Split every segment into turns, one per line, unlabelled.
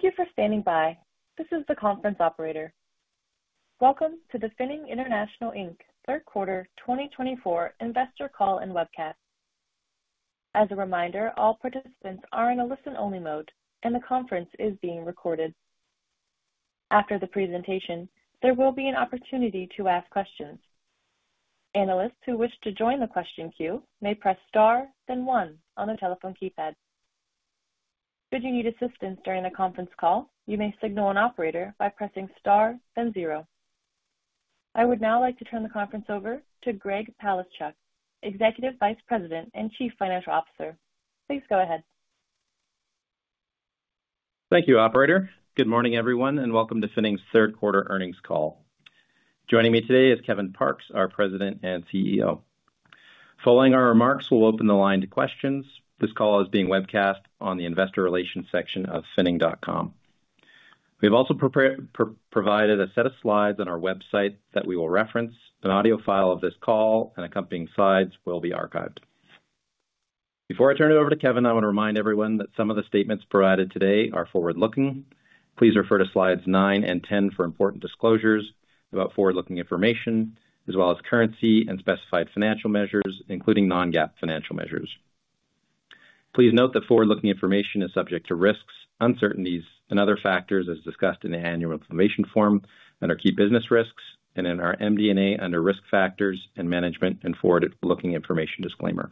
Thank you for standing by. This is the conference operator. Welcome to the Finning International Inc Third Quarter 2024 Investor Call and Webcast. As a reminder, all participants are in a listen-only mode, and the conference is being recorded. After the presentation, there will be an opportunity to ask questions. Analysts who wish to join the question queue may press star, then one on the telephone keypad. Should you need assistance during the conference call, you may signal an operator by pressing star, then zero. I would now like to turn the conference over to Greg Palaschuk, Executive Vice President and Chief Financial Officer. Please go ahead.
Thank you, Operator. Good morning, everyone, and welcome to Finning's third quarter earnings call. Joining me today is Kevin Parkes, our President and CEO. Following our remarks, we'll open the line to questions. This call is being webcast on the investor relations section of finning.com. We have also provided a set of slides on our website that we will reference. An audio file of this call and accompanying slides will be archived. Before I turn it over to Kevin, I want to remind everyone that some of the statements provided today are forward-looking. Please refer to slides 9 and 10 for important disclosures about forward-looking information, as well as currency and specified financial measures, including non-GAAP financial measures. Please note that forward-looking information is subject to risks, uncertainties, and other factors as discussed in the annual information form under key business risks, and in our MD&A under risk factors and management and forward-looking information disclaimer.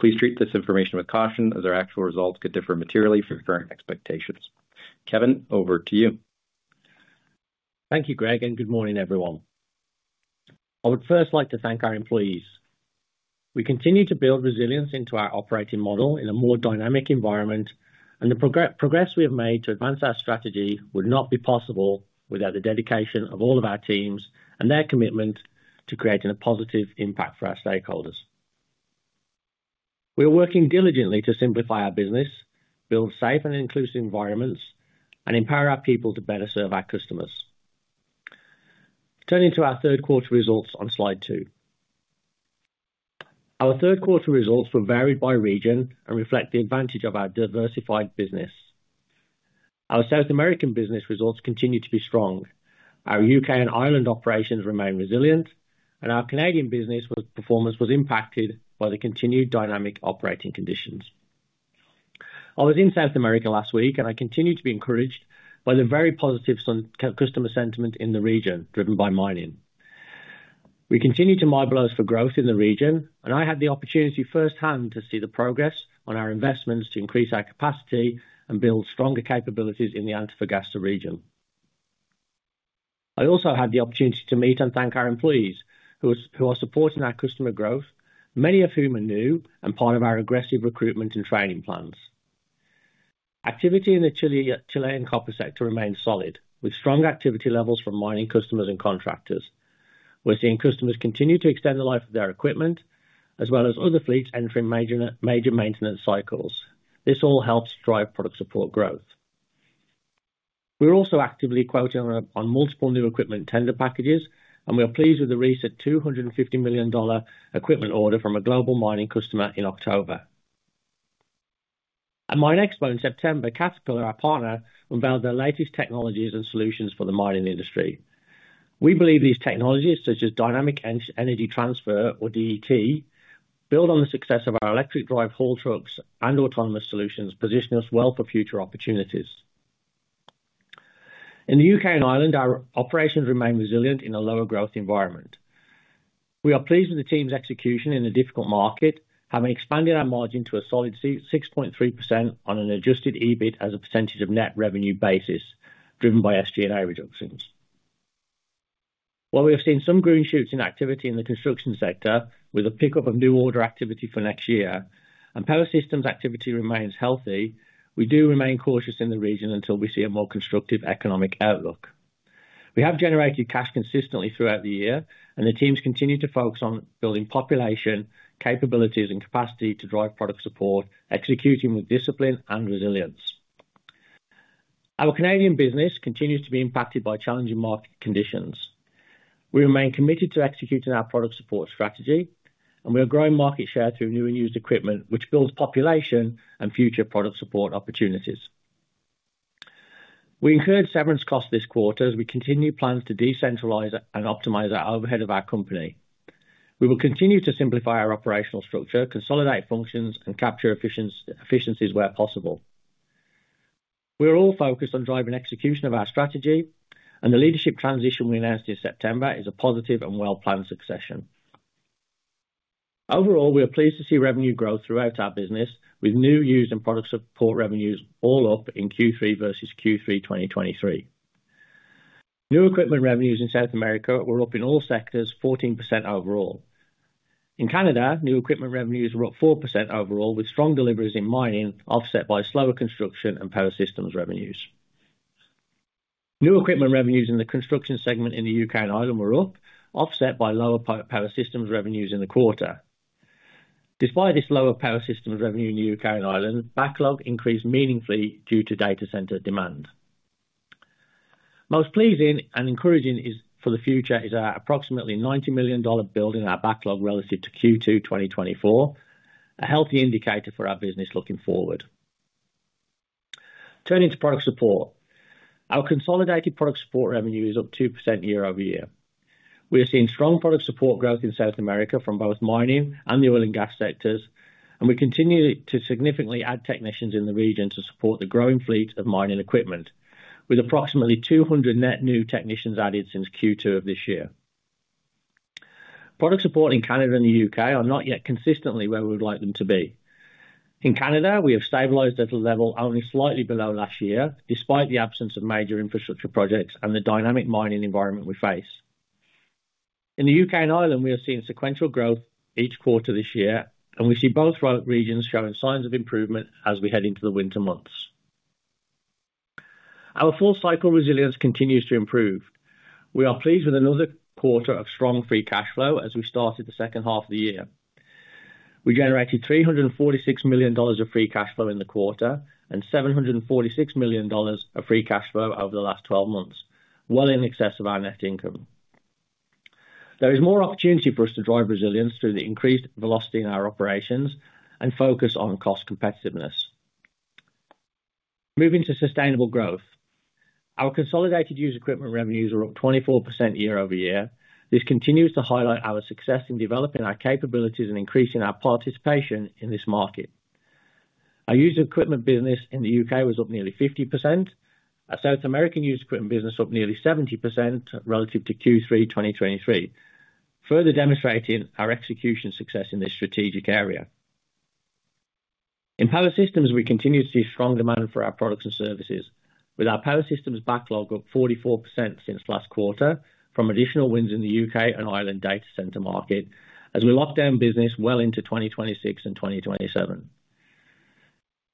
Please treat this information with caution as our actual results could differ materially from current expectations. Kevin, over to you.
Thank you, Greg, and good morning, everyone. I would first like to thank our employees. We continue to build resilience into our operating model in a more dynamic environment, and the progress we have made to advance our strategy would not be possible without the dedication of all of our teams and their commitment to creating a positive impact for our stakeholders. We are working diligently to simplify our business, build safe and inclusive environments, and empower our people to better serve our customers. Turning to our results on slide two. Our third quarter results were varied by region and reflect the advantage of our diversified business. Our South American business results continue to be strong. Our U.K. and Ireland operations remain resilient, and our Canadian business performance was impacted by the continued dynamic operating conditions. I was in South America last week, and I continue to be encouraged by the very positive customer sentiment in the region, driven by mining. We continue to mobilize for growth in the region, and I had the opportunity firsthand to see the progress on our investments to increase our capacity and build stronger capabilities in the Antofagasta region. I also had the opportunity to meet and thank our employees who are supporting our customer growth, many of whom are new and part of our aggressive recruitment and training plans. Activity in the Chilean copper sector remains solid, with strong activity levels from mining customers and contractors. We're seeing customers continue to extend the life of their equipment, as well as other fleets entering major maintenance cycles. This all helps drive product support growth. We're also actively quoting on multiple new equipment tender packages, and we are pleased with the recent $250 million equipment order from a global mining customer in October. At MINExpo in September, Caterpillar, our partner, unveiled their latest technologies and solutions for the mining industry. We believe these technologies, such as dynamic energy transfer, or DET, build on the success of our electric drive haul trucks and autonomous solutions, positioning us well for future opportunities. In the U.K. and Ireland, our operations remain resilient in a lower growth environment. We are pleased with the team's execution in a difficult market, having expanded our margin to a solid 6.3% on an adjusted EBIT as a percentage of net revenue basis, driven by SG&A reductions. While we have seen some green shoots in activity in the construction sector, with a pickup of new order activity for next year, and Power Systems' activity remains healthy, we do remain cautious in the region until we see a more constructive economic outlook. We have generated cash consistently throughout the year, and the teams continue to focus on building population, capabilities, and capacity to drive Product Support, executing with discipline and resilience. Our Canadian business continues to be impacted by challenging market conditions. We remain committed to executing our Product Support strategy, and we are growing market share through new and used equipment, which builds population and future Product Support opportunities. We incurred severance costs this quarter as we continue plans to decentralize and optimize our overhead of our company. We will continue to simplify our operational structure, consolidate functions, and capture efficiencies where possible. We are all focused on driving execution of our strategy, and the leadership transition we announced in September is a positive and well-planned succession. Overall, we are pleased to see revenue growth throughout our business, with new, used, and product support revenues all up in Q3 versus Q3 2023. New equipment revenues in South America were up in all sectors, 14% overall. In Canada, new equipment revenues were up 4% overall, with strong deliveries in mining, offset by slower construction and Power Systems revenues. New equipment revenues in the construction segment in the U.K. and Ireland were up, offset by lower Power Systems revenues in the quarter. Despite this lower Power Systems revenue in the U.K. and Ireland, backlog increased meaningfully due to data center demand. Most pleasing and encouraging for the future is our approximately $90 million building our backlog relative to Q2 2024, a healthy indicator for our business looking forward. Turning to product support, our consolidated product support revenue is up 2% year-over-year. We are seeing strong product support growth in South America from both mining and the oil and gas sectors, and we continue to significantly add technicians in the region to support the growing fleet of mining equipment, with approximately 200 net new technicians added since Q2 of this year. Product support in Canada and the U.K. are not yet consistently where we would like them to be. In Canada, we have stabilized at a level only slightly below last year, despite the absence of major infrastructure projects and the dynamic mining environment we face. In the U.K. and Ireland, we are seeing sequential growth each quarter this year, and we see both regions showing signs of improvement as we head into the winter months. Our full-cycle resilience continues to improve. We are pleased with another quarter of strong free cash flow as we started the second half of the year. We generated $346 million of free cash flow in the quarter and $746 million of free cash flow over the last 12 months, well in excess of our net income. There is more opportunity for us to drive resilience through the increased velocity in our operations and focus on cost competitiveness. Moving to sustainable growth, our consolidated used equipment revenues are up 24% year-over-year. This continues to highlight our success in developing our capabilities and increasing our participation in this market. Our used equipment business in the U.K. was up nearly 50%. Our South American used equipment business up nearly 70% relative to Q3 2023, further demonstrating our execution success in this strategic area. In Power Systems, we continue to see strong demand for our products and services, with our Power Systems backlog up 44% since last quarter from additional wins in the U.K. and Ireland data center market as we lock down business well into 2026 and 2027.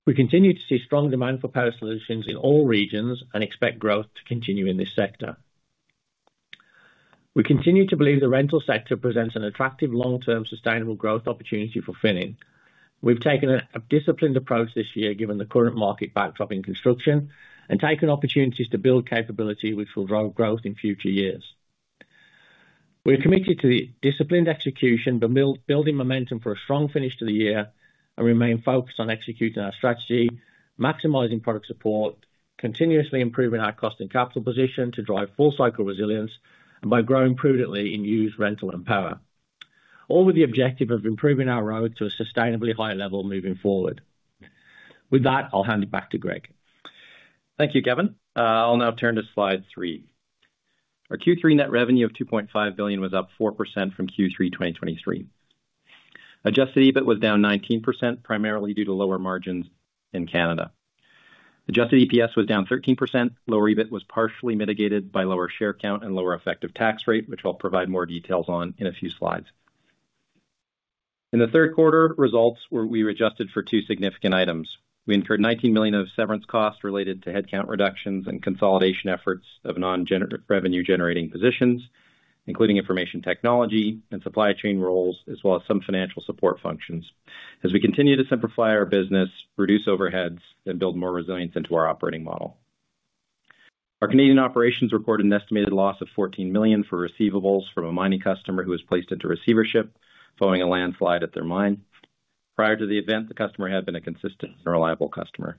We continue to see strong demand for power solutions in all regions and expect growth to continue in this sector. We continue to believe the rental sector presents an attractive long-term sustainable growth opportunity for Finning. We've taken a disciplined approach this year given the current market backdrop in construction and taken opportunities to build capability which will drive growth in future years. We are committed to disciplined execution, building momentum for a strong finish to the year, and remain focused on executing our strategy, maximizing product support, continuously improving our cost and capital position to drive full-cycle resilience, and by growing prudently in used, rental, and power, all with the objective of improving our road to a sustainably high level moving forward. With that, I'll hand it back to Greg.
Thank you, Kevin. I'll now turn to slide three. Our Q3 net revenue of $2.5 billion was up 4% from Q3 2023. Adjusted EBIT was down 19%, primarily due to lower margins in Canada. Adjusted EPS was down 13%. Lower EBIT was partially mitigated by lower share count and lower effective tax rate, which I'll provide more details on in a few slides. In the third quarter results, we adjusted for two significant items. We incurred $19 million of severance costs related to headcount reductions and consolidation efforts of non-revenue-generating positions, including information technology and supply chain roles, as well as some financial support functions, as we continue to simplify our business, reduce overheads, and build more resilience into our operating model. Our Canadian operations reported an estimated loss of $14 million for receivables from a mining customer who was placed into receivership following a landslide at their mine. Prior to the event, the customer had been a consistent and reliable customer.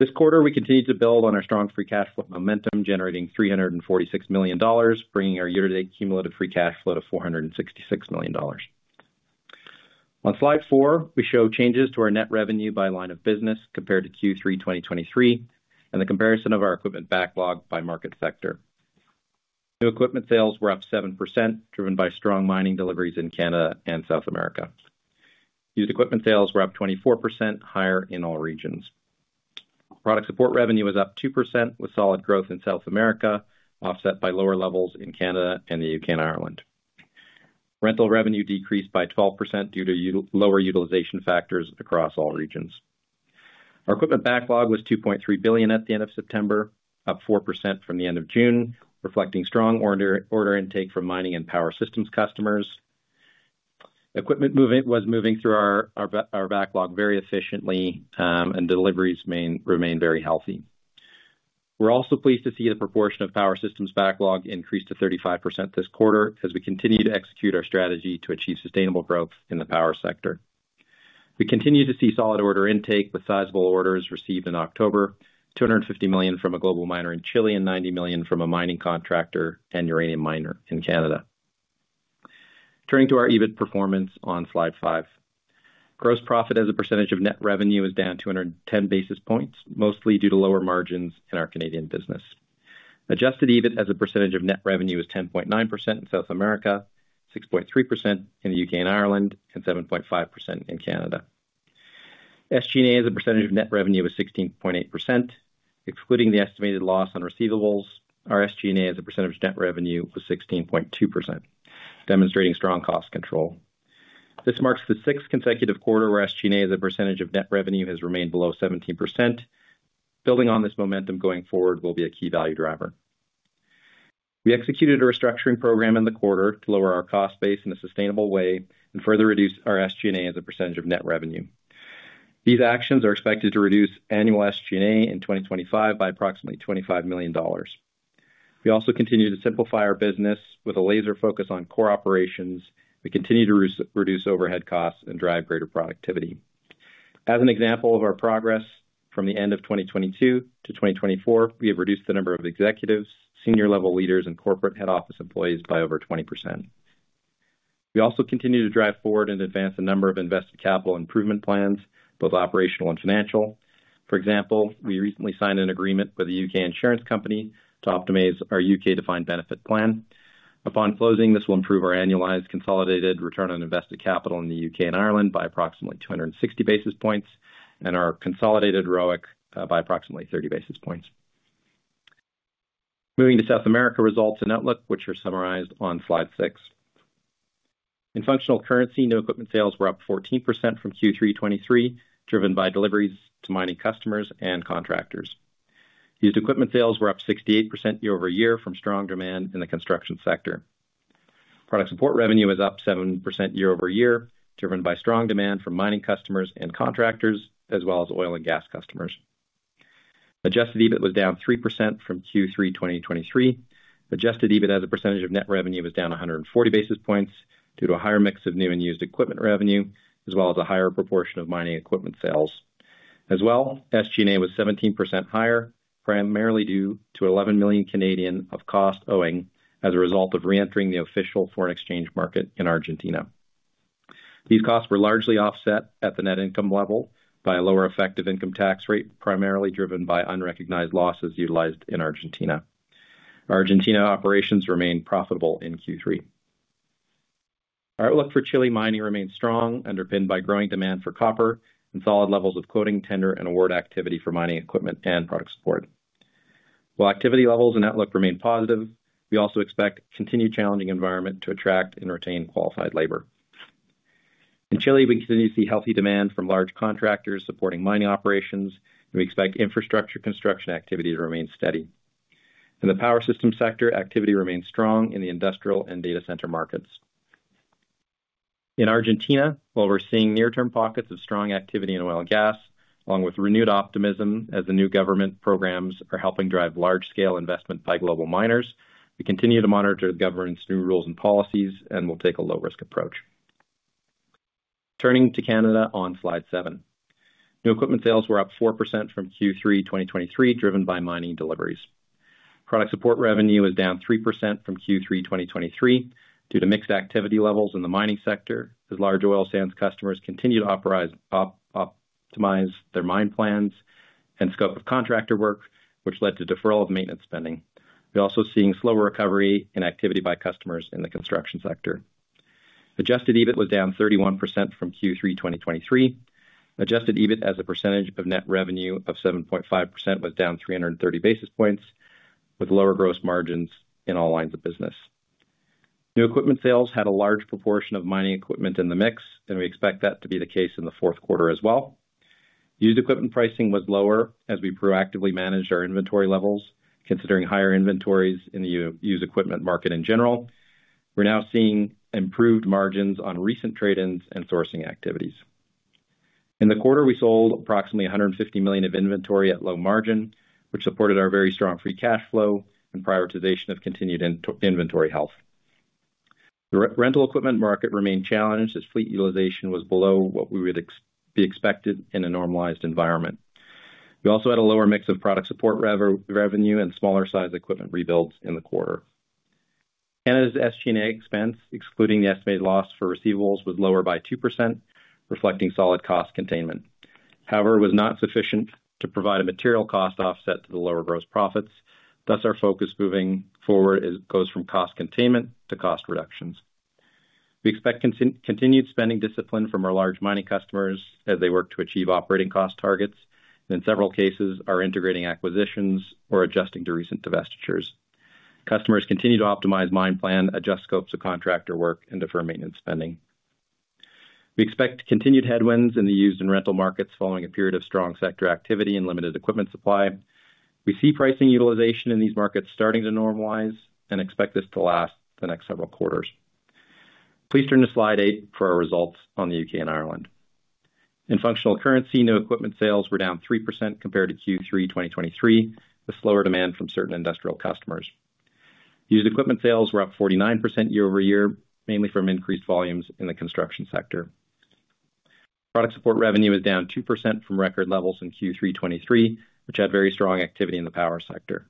This quarter, we continue to build on our strong free cash flow momentum, generating $346 million, bringing our year-to-date cumulative free cash flow to $466 million. On slide four, we show changes to our net revenue by line of business compared to Q3 2023 and the comparison of our equipment backlog by market sector. New equipment sales were up 7%, driven by strong mining deliveries in Canada and South America. Used equipment sales were up 24%, higher in all regions. Product support revenue was up 2%, with solid growth in South America, offset by lower levels in Canada and the U.K. and Ireland. Rental revenue decreased by 12% due to lower utilization factors across all regions. Our equipment backlog was $2.3 billion at the end of September, up 4% from the end of June, reflecting strong order intake from mining and Power Systems customers. Equipment was moving through our backlog very efficiently, and deliveries remain very healthy. We're also pleased to see the proportion of Power Systems backlog increased to 35% this quarter as we continue to execute our strategy to achieve sustainable growth in the power sector. We continue to see solid order intake with sizable orders received in October: $250 million from a global miner in Chile and $90 million from a mining contractor and uranium miner in Canada. Turning to our EBIT performance on slide five, gross profit as a percentage of net revenue is down 210 basis points, mostly due to lower margins in our Canadian business. Adjusted EBIT as a percentage of net revenue is 10.9% in South America, 6.3% in the U.K. and Ireland, and 7.5% in Canada. SG&A as a percentage of net revenue was 16.8%. Excluding the estimated loss on receivables, our SG&A as a percentage of net revenue was 16.2%, demonstrating strong cost control. This marks the sixth consecutive quarter where SG&A as a percentage of net revenue has remained below 17%. Building on this momentum going forward will be a key value driver. We executed a restructuring program in the quarter to lower our cost base in a sustainable way and further reduce our SG&A as a percentage of net revenue. These actions are expected to reduce annual SG&A in 2025 by approximately $25 million. We also continue to simplify our business with a laser focus on core operations. We continue to reduce overhead costs and drive greater productivity. As an example of our progress from the end of 2022 to 2024, we have reduced the number of executives, senior-level leaders, and corporate head office employees by over 20%. We also continue to drive forward and advance a number of invested capital improvement plans, both operational and financial. For example, we recently signed an agreement with a U.K. insurance company to optimize our U.K. defined benefit plan. Upon closing, this will improve our annualized consolidated return on invested capital in the U.K. and Ireland by approximately 260 basis points and our consolidated ROIC by approximately 30 basis points. Moving to South America results and outlook, which are summarized on slide six. In functional currency, new equipment sales were up 14% from Q3 2023, driven by deliveries to mining customers and contractors. Used equipment sales were up 68% year-over-year from strong demand in the construction sector. Product support revenue was up 7% year-over-year, driven by strong demand from mining customers and contractors, as well as oil and gas customers. Adjusted EBIT was down 3% from Q3 2023. Adjusted EBIT as a percentage of net revenue was down 140 basis points due to a higher mix of new and used equipment revenue, as well as a higher proportion of mining equipment sales. As well, SG&A was 17% higher, primarily due to 11 million of costs owing as a result of re-entering the official foreign exchange market in Argentina. These costs were largely offset at the net income level by a lower effective income tax rate, primarily driven by unrecognized losses utilized in Argentina. Our Argentina operations remained profitable in Q3. Our outlook for Chile mining remains strong, underpinned by growing demand for copper and solid levels of quoting, tender, and award activity for mining equipment and product support. While activity levels and outlook remain positive, we also expect a continued challenging environment to attract and retain qualified labor. In Chile, we continue to see healthy demand from large contractors supporting mining operations, and we expect infrastructure construction activity to remain steady. In the Power Systems sector, activity remains strong in the industrial and data center markets. In Argentina, while we're seeing near-term pockets of strong activity in oil and gas, along with renewed optimism as the new government programs are helping drive large-scale investment by global miners, we continue to monitor the government's new rules and policies and will take a low-risk approach. Turning to Canada on slide seven, new equipment sales were up 4% from Q3 2023, driven by mining deliveries. Product support revenue was down 3% from Q3 2023 due to mixed activity levels in the mining sector, as large oil sands customers continue to optimize their mine plans and scope of contractor work, which led to deferral of maintenance spending. We're also seeing slower recovery in activity by customers in the construction sector. Adjusted EBIT was down 31% from Q3 2023. Adjusted EBIT as a percentage of net revenue of 7.5% was down 330 basis points, with lower gross margins in all lines of business. New equipment sales had a large proportion of mining equipment in the mix, and we expect that to be the case in the fourth quarter as well. Used equipment pricing was lower as we proactively managed our inventory levels, considering higher inventories in the used equipment market in general. We're now seeing improved margins on recent trade-ins and sourcing activities. In the quarter, we sold approximately $150 million of inventory at low margin, which supported our very strong free cash flow and prioritization of continued inventory health. The rental equipment market remained challenged as fleet utilization was below what we would be expected in a normalized environment. We also had a lower mix of product support revenue and smaller-sized equipment rebuilds in the quarter. Canada's SG&A expense, excluding the estimated loss for receivables, was lower by 2%, reflecting solid cost containment. However, it was not sufficient to provide a material cost offset to the lower gross profits. Thus, our focus moving forward goes from cost containment to cost reductions. We expect continued spending discipline from our large mining customers as they work to achieve operating cost targets and, in several cases, are integrating acquisitions or adjusting to recent divestitures. Customers continue to optimize mine plan, adjust scopes of contractor work, and defer maintenance spending. We expect continued headwinds in the used and rental markets following a period of strong sector activity and limited equipment supply. We see pricing utilization in these markets starting to normalize and expect this to last the next several quarters. Please turn to slide eight for our results on the U.K. and Ireland. In functional currency, new equipment sales were down 3% compared to Q3 2023, with slower demand from certain industrial customers. Used equipment sales were up 49% year-over-year, mainly from increased volumes in the construction sector. Product support revenue was down 2% from record levels in Q3 2023, which had very strong activity in the power sector.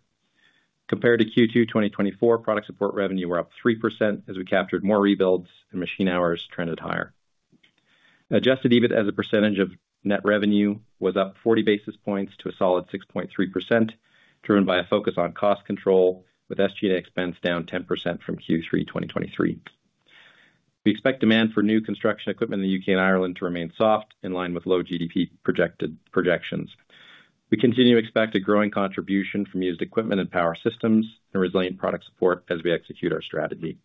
Compared to Q2 2024, product support revenue was up 3% as we captured more rebuilds and machine hours trended higher. Adjusted EBIT as a percentage of net revenue was up 40 basis points to a solid 6.3%, driven by a focus on cost control, with SG&A expense down 10% from Q3 2023. We expect demand for new construction equipment in the U.K. and Ireland to remain soft, in line with low GDP projections. We continue to expect a growing contribution from used equipment and power systems and resilient product support as we execute our strategy.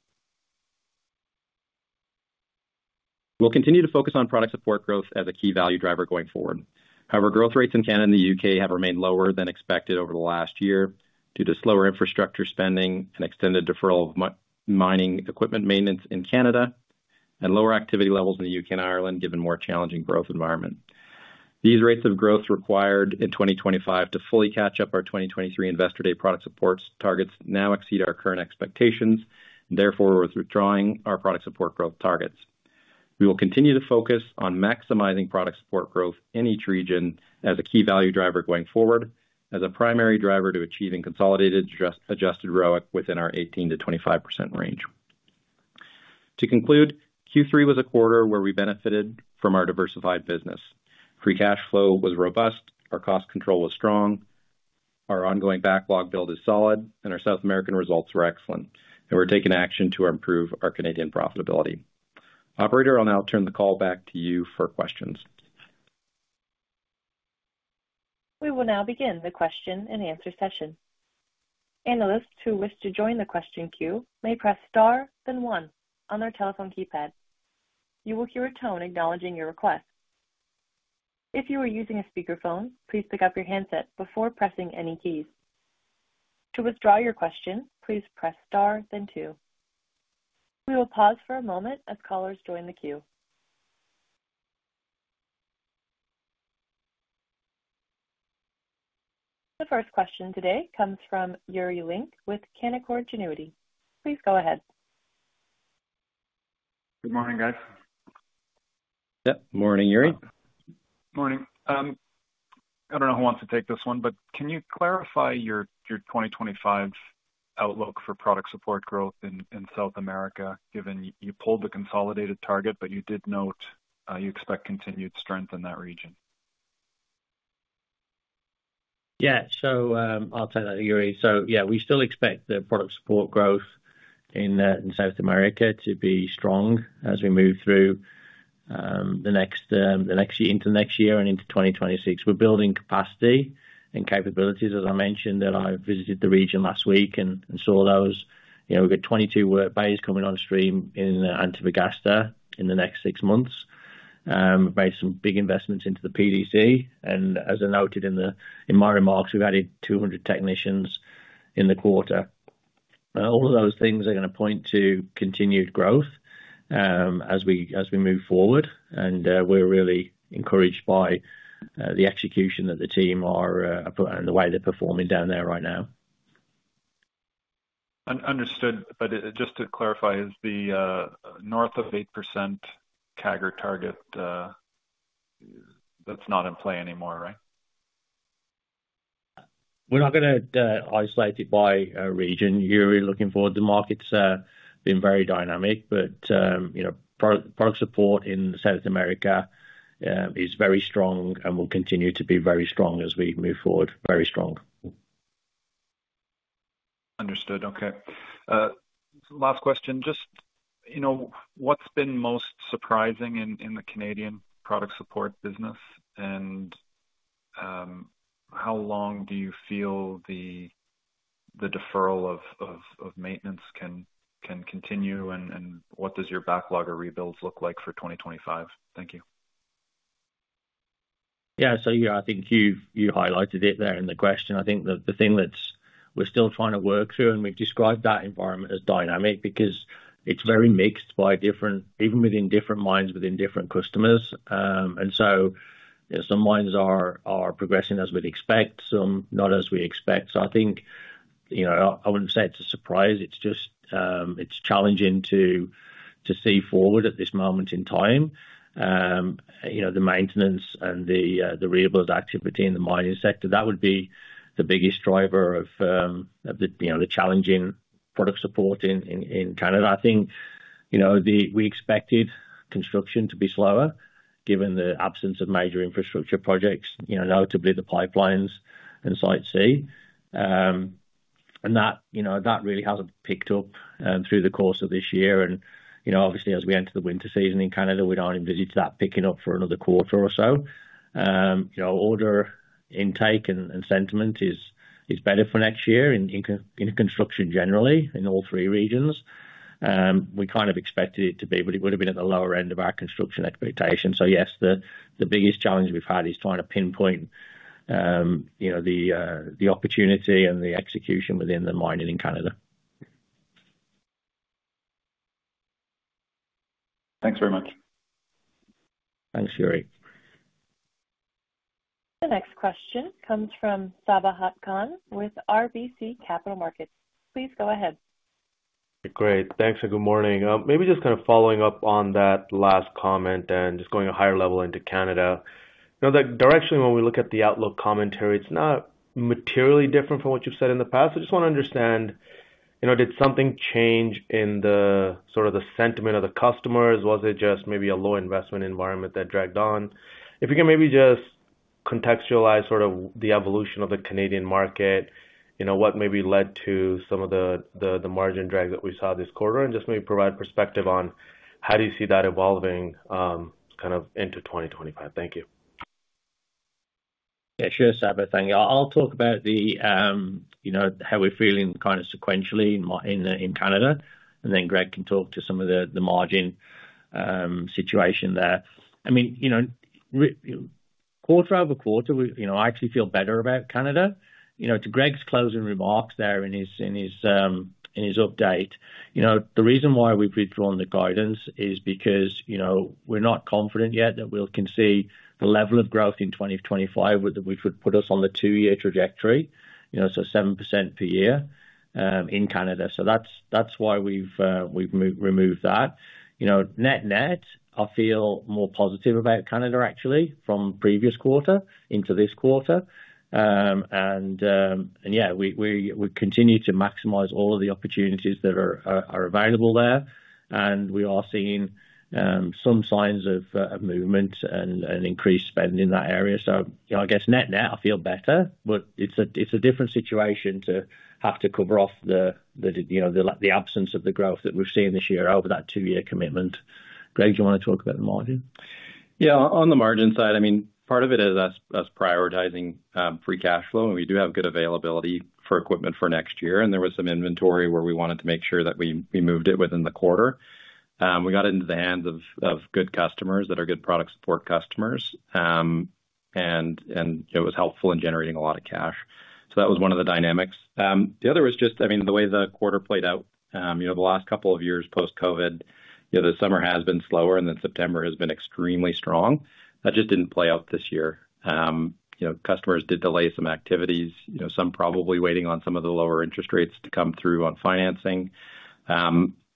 We'll continue to focus on product support growth as a key value driver going forward. However, growth rates in Canada and the U.K. have remained lower than expected over the last year due to slower infrastructure spending and extended deferral of mining equipment maintenance in Canada and lower activity levels in the U.K. and Ireland, given a more challenging growth environment. These rates of growth required in 2025 to fully catch up our 2023 Investor Day product support targets now exceed our current expectations, and therefore, we're withdrawing our product support growth targets. We will continue to focus on maximizing product support growth in each region as a key value driver going forward, as a primary driver to achieving consolidated adjusted ROIC within our 18%-25% range. To conclude, Q3 was a quarter where we benefited from our diversified business. Free cash flow was robust, our cost control was strong, our ongoing backlog build is solid, and our South American results were excellent. And we're taking action to improve our Canadian profitability. Operator, I'll now turn the call back to you for questions.
We will now begin the question and answer session. Analysts who wish to join the question queue may press star, then one on their telephone keypad. You will hear a tone acknowledging your request. If you are using a speakerphone, please pick up your handset before pressing any keys. To withdraw your question, please press star, then two. We will pause for a moment as callers join the queue. The first question today comes from Yuri Lynk with Canaccord Genuity. Please go ahead.
Good morning, guys. Yep. Morning, Yuri. Morning. I don't know who wants to take this one, but can you clarify your 2025 outlook for product support growth in South America, given you pulled the consolidated target, but you did note you expect continued strength in that region?
Yeah. So I'll tell that, Yuri. So yeah, we still expect the product support growth in South America to be strong as we move through the next year into next year and into 2026. We're building capacity and capabilities, as I mentioned, that I visited the region last week and saw those. We've got 22 work bays coming on stream in Antofagasta in the next six months. We've made some big investments into the PDC. And as I noted in my remarks, we've added 200 technicians in the quarter. All of those things are going to point to continued growth as we move forward. And we're really encouraged by the execution that the team are and the way they're performing down there right now. Understood. But just to clarify, is the north of 8% CAGR target that's not in play anymore, right? We're not going to isolate it by region. Yuri, looking forward, the market's been very dynamic, but product support in South America is very strong and will continue to be very strong as we move forward. Very strong.
Understood. Okay. Last question. Just what's been most surprising in the Canadian product support business, and how long do you feel the deferral of maintenance can continue, and what does your backlog of rebuilds look like for 2025? Thank you.
Yeah. So yeah, I think you highlighted it there in the question. I think the thing that we're still trying to work through, and we've described that environment as dynamic because it's very mixed by different, even within different mines, within different customers. And so some mines are progressing as we'd expect, some not as we expect. So I think I wouldn't say it's a surprise. It's challenging to see forward at this moment in time. The maintenance and the rebuild activity in the mining sector, that would be the biggest driver of the challenging product support in Canada. I think we expected construction to be slower given the absence of major infrastructure projects, notably the pipelines and Site C, and that really hasn't picked up through the course of this year, and obviously, as we enter the winter season in Canada, we don't envisage that picking up for another quarter or so. Order intake and sentiment is better for next year in construction generally in all three regions. We kind of expected it to be, but it would have been at the lower end of our construction expectation. So yes, the biggest challenge we've had is trying to pinpoint the opportunity and the execution within the mining in Canada.
Thanks very much.
Thanks, Yuri.
The next question comes from Sabahat Khan with RBC Capital Markets. Please go ahead.
Great. Thanks. And good morning. Maybe just kind of following up on that last comment and just going a higher level into Canada. Directionally, when we look at the outlook commentary, it's not materially different from what you've said in the past. I just want to understand, did something change in the sort of the sentiment of the customers? Was it just maybe a low investment environment that dragged on? If you can maybe just contextualize sort of the evolution of the Canadian market, what maybe led to some of the margin drag that we saw this quarter, and just maybe provide perspective on how do you see that evolving kind of into 2025? Thank you.
Yeah, sure, Sabahat. Thank you. I'll talk about how we're feeling kind of sequentially in Canada, and then Greg can talk to some of the margin situation there. I mean, quarter-over-quarter, I actually feel better about Canada. To Greg's closing remarks there in his update, the reason why we've withdrawn the guidance is because we're not confident yet that we can see the level of growth in 2025 that would put us on the two-year trajectory, so 7% per year in Canada, so that's why we've removed that. Net net, I feel more positive about Canada, actually, from previous quarter into this quarter, and yeah, we continue to maximize all of the opportunities that are available there, and we are seeing some signs of movement and increased spend in that area, so I guess net net, I feel better, but it's a different situation to have to cover off the absence of the growth that we've seen this year over that two-year commitment. Greg, do you want to talk about the margin?
Yeah. On the margin side, I mean, part of it is us prioritizing free cash flow. We do have good availability for equipment for next year, and there was some inventory where we wanted to make sure that we moved it within the quarter. We got it into the hands of good customers that are good product support customers, and it was helpful in generating a lot of cash, so that was one of the dynamics. The other was just, I mean, the way the quarter played out. The last couple of years post-COVID, the summer has been slower, and then September has been extremely strong. That just didn't play out this year. Customers did delay some activities, some probably waiting on some of the lower interest rates to come through on financing.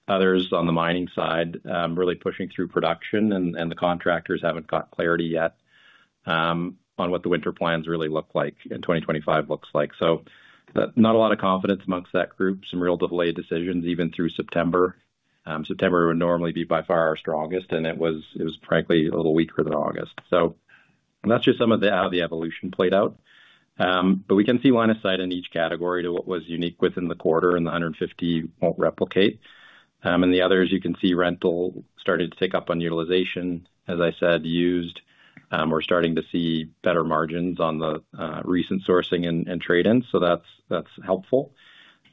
Others on the mining side really pushing through production, and the contractors haven't got clarity yet on what the winter plans really look like and 2025 looks like, so not a lot of confidence among that group, some real delayed decisions even through September. September would normally be by far our strongest, and it was, frankly, a little weaker than August. So that's just some of how the evolution played out, but we can see line of sight in each category to what was unique within the quarter, and the 150 won't replicate, and the others, you can see rental started to take up on utilization. As I said, used. We're starting to see better margins on the recent sourcing and trade-in, so that's helpful,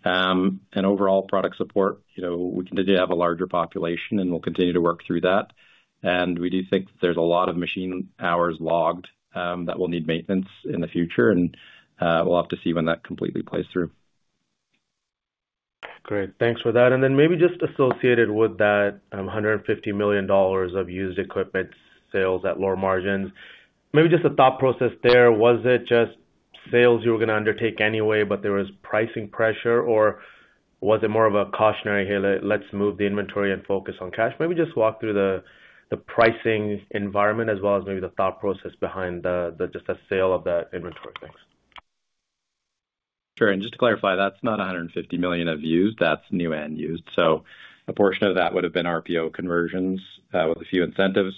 and overall product support, we continue to have a larger population, and we'll continue to work through that. We do think that there's a lot of machine hours logged that will need maintenance in the future, and we'll have to see when that completely plays through.
Great. Thanks for that. And then maybe just associated with that $150 million of used equipment sales at lower margins, maybe just the thought process there, was it just sales you were going to undertake anyway, but there was pricing pressure, or was it more of a cautionary, "Hey, let's move the inventory and focus on cash"? Maybe just walk through the pricing environment as well as maybe the thought process behind just the sale of that inventory. Thanks.
Sure. And just to clarify, that's not $150 million of used. That's new and used. So a portion of that would have been RPO conversions with a few incentives.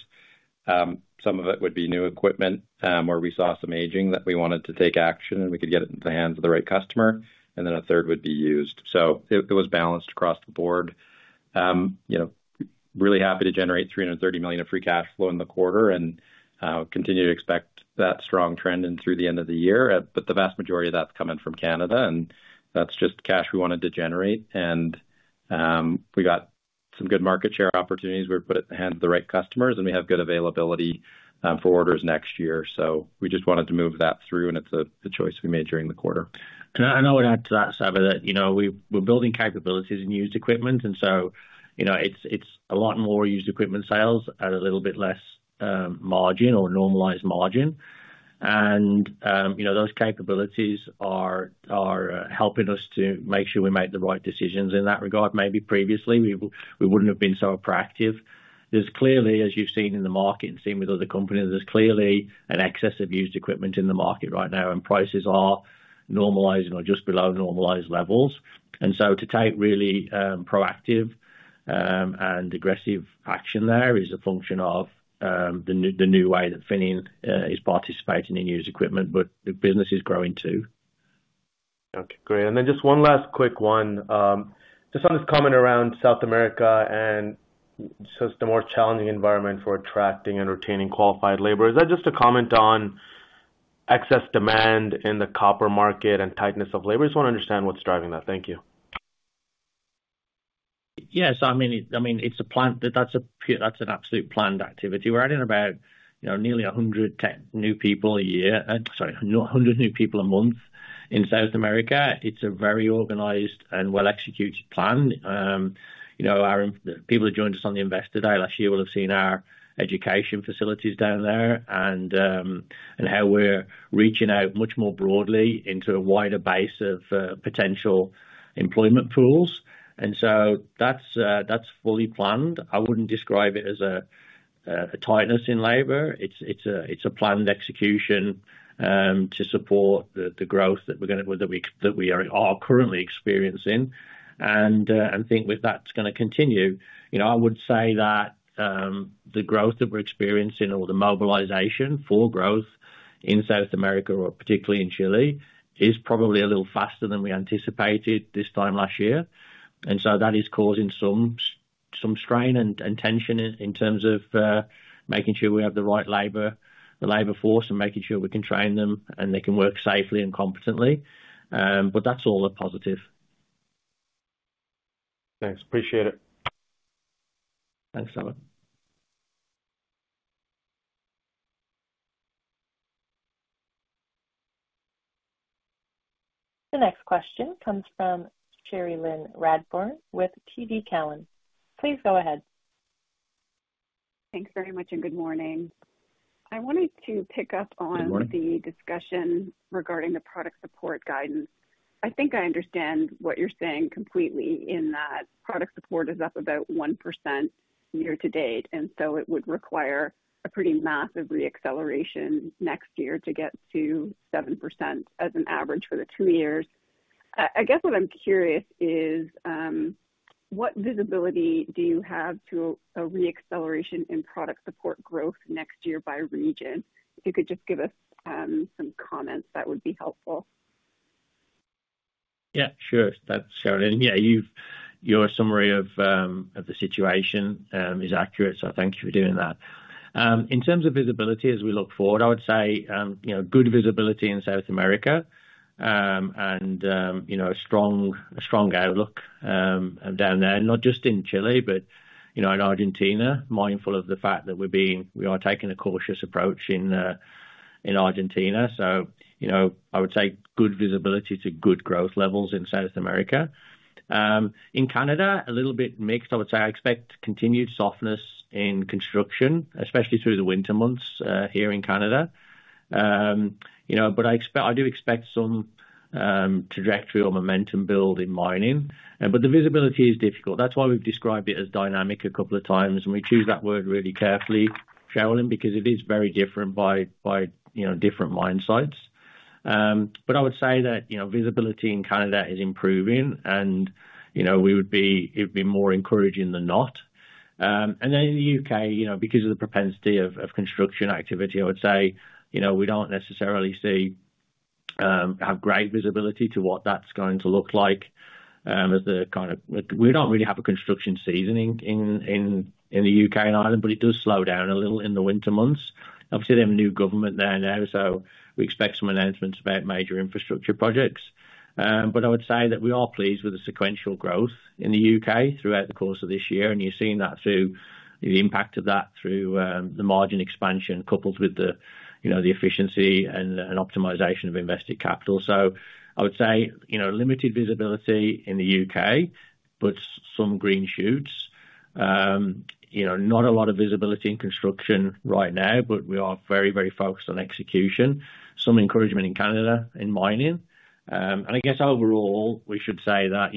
Some of it would be new equipment where we saw some aging that we wanted to take action, and we could get it into the hands of the right customer, and then a third would be used, so it was balanced across the board. Really happy to generate $330 million of free cash flow in the quarter and continue to expect that strong trend into the end of the year. But the vast majority of that's coming from Canada, and that's just cash we wanted to generate, and we got some good market share opportunities. We put it in the hands of the right customers, and we have good availability for orders next year, so we just wanted to move that through, and it's a choice we made during the quarter.
I would add to that, Sabahat, that we're building capabilities in used equipment. And so it's a lot more used equipment sales at a little bit less margin or normalized margin. And those capabilities are helping us to make sure we make the right decisions in that regard. Maybe previously, we wouldn't have been so proactive. There's clearly, as you've seen in the market and seen with other companies, there's clearly an excess of used equipment in the market right now, and prices are normalizing or just below normalized levels. And so to take really proactive and aggressive action there is a function of the new way that Finning is participating in used equipment, but the business is growing too.
Okay. Great. And then just one last quick one, just on this comment around South America and just the more challenging environment for attracting and retaining qualified labor. Is that just a comment on excess demand in the copper market and tightness of labor? Just want to understand what's driving that. Thank you.
Yeah, so I mean, it's a plan that's an absolute planned activity. We're adding about nearly 100 new people a year. Sorry, 100 new people a month in South America. It's a very organized and well-executed plan. The people who joined us on the Investor Day last year will have seen our education facilities down there and how we're reaching out much more broadly into a wider base of potential employment pools, and so that's fully planned. I wouldn't describe it as a tightness in labor. It's a planned execution to support the growth that we are currently experiencing. And I think with that that's going to continue. I would say that the growth that we're experiencing or the mobilization for growth in South America, or particularly in Chile, is probably a little faster than we anticipated this time last year. And so that is causing some strain and tension in terms of making sure we have the right labor force and making sure we can train them and they can work safely and competently. But that's all a positive.
Thanks. Appreciate it.
Thanks, Sabahat.
The next question comes from Cherilyn Radbourne with TD Cowen. Please go ahead.
Thanks very much, and good morning. I wanted to pick up on the discussion regarding the product support guidance. I think I understand what you're saying completely in that product support is up about 1% year to date. And so it would require a pretty massive reacceleration next year to get to 7% as an average for the two years. I guess what I'm curious is what visibility do you have to a reacceleration in product support growth next year by region? If you could just give us some comments, that would be helpful.
Yeah, sure. Thanks, Cherilyn. And yeah, your summary of the situation is accurate, so thank you for doing that. In terms of visibility as we look forward, I would say good visibility in South America and a strong outlook down there, not just in Chile, but in Argentina, mindful of the fact that we are taking a cautious approach in Argentina. So I would say good visibility to good growth levels in South America. In Canada, a little bit mixed. I would say I expect continued softness in construction, especially through the winter months here in Canada, but I do expect some trajectory or momentum build in mining. The visibility is difficult. That's why we've described it as dynamic a couple of times, and we choose that word really carefully, Cherilyn, because it is very different by different mine sites. I would say that visibility in Canada is improving, and it would be more encouraging than not. Then in the U.K., because of the propensity of construction activity, I would say we don't necessarily have great visibility to what that's going to look like as, kind of, we don't really have a construction season in the U.K. and Ireland, but it does slow down a little in the winter months. Obviously, they have a new government there now, so we expect some announcements about major infrastructure projects. But I would say that we are pleased with the sequential growth in the U.K. throughout the course of this year. And you're seeing that through the impact of that through the margin expansion coupled with the efficiency and optimization of invested capital. So I would say limited visibility in the U.K., but some green shoots. Not a lot of visibility in construction right now, but we are very, very focused on execution. Some encouragement in Canada in mining. And I guess overall, we should say that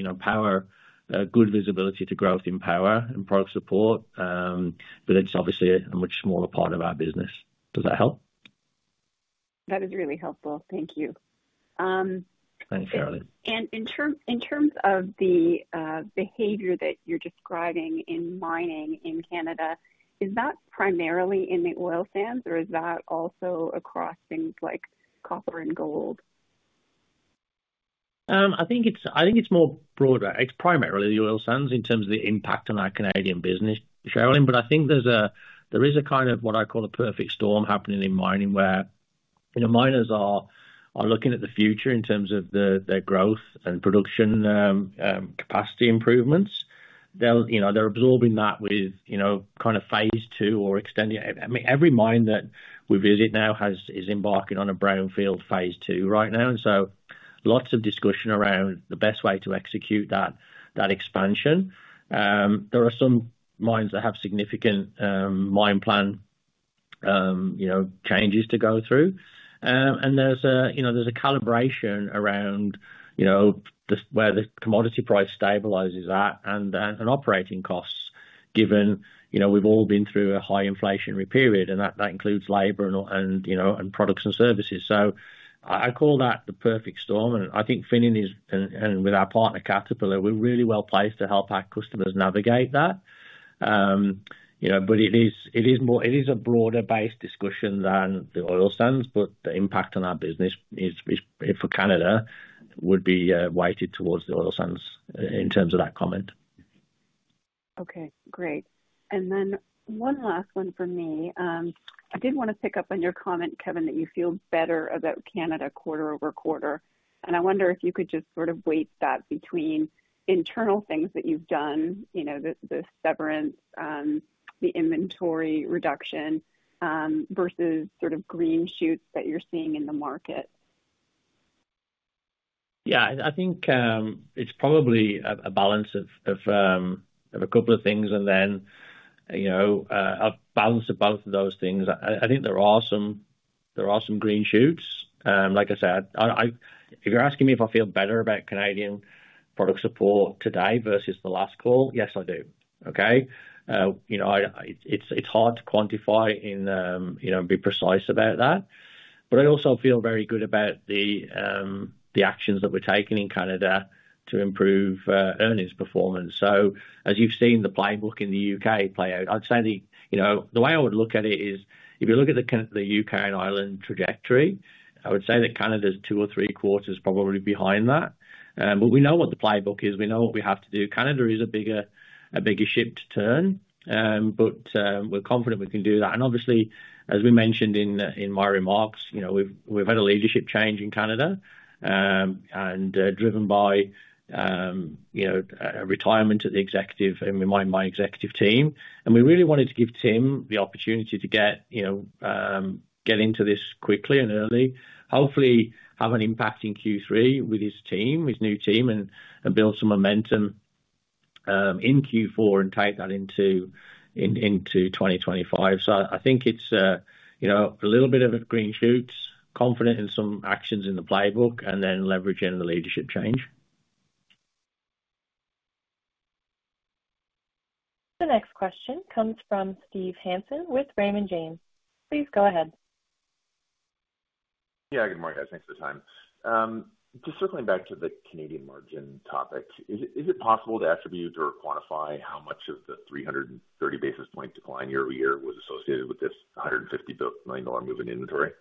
good visibility to growth in power and product support, but it's obviously a much smaller part of our business. Does that help?
That is really helpful. Thank you.
Thanks, Cherilyn.
And in terms of the behavior that you're describing in mining in Canada, is that primarily in the oil sands, or is that also across things like copper and gold?
I think it's more broader. It's primarily the oil sands in terms of the impact on our Canadian business, Cherilyn. But I think there is a kind of what I call a perfect storm happening in mining where miners are looking at the future in terms of their growth and production capacity improvements. They're absorbing that with kind of phase two or extending. I mean, every mine that we visit now is embarking on a brownfield phase two right now. And so lots of discussion around the best way to execute that expansion. There are some mines that have significant mine plan changes to go through. And there's a calibration around where the commodity price stabilizes that and operating costs, given we've all been through a high inflationary period, and that includes labor and products and services. So I call that the perfect storm. I think Finning and with our partner, Caterpillar, we're really well placed to help our customers navigate that. It is a broader-based discussion than the oil sands, but the impact on our business for Canada would be weighted towards the oil sands in terms of that comment.
Okay. Great. Then one last one for me. I did want to pick up on your comment, Kevin, that you feel better about Canada quarter-over-quarter. I wonder if you could just sort of weigh that between internal things that you've done, the severance, the inventory reduction versus sort of green shoots that you're seeing in the market.
Yeah. I think it's probably a balance of a couple of things and then a balance of both of those things. I think there are some green shoots. Like I said, if you're asking me if I feel better about Canadian product support today versus the last call, yes, I do. Okay? It's hard to quantify and be precise about that. But I also feel very good about the actions that we're taking in Canada to improve earnings performance. So as you've seen the playbook in the U.K. play out, I'd say the way I would look at it is if you look at the U.K. and Ireland trajectory, I would say that Canada is two or three quarters probably behind that. But we know what the playbook is. We know what we have to do. Canada is a bigger ship to turn, but we're confident we can do that. And obviously, as we mentioned in my remarks, we've had a leadership change in Canada and driven by a retirement of the executive and my executive team. And we really wanted to give Tim the opportunity to get into this quickly and early, hopefully have an impact in Q3 with his team, his new team, and build some momentum in Q4 and take that into 2025. So I think it's a little bit of green shoots, confident in some actions in the playbook, and then leveraging the leadership change.
The next question comes from Steve Hansen with Raymond James. Please go ahead.
Yeah. Good morning, guys. Thanks for the time. Just circling back to the Canadian margin topic, is it possible to attribute or quantify how much of the 330 basis points decline year-over-year was associated with this $150 million moving inventory?